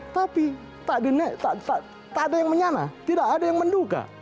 tapi tak ada yang menyana tidak ada yang menduga